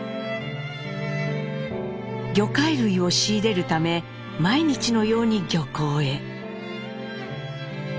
魚介類を仕入れるため毎日のように漁港へ。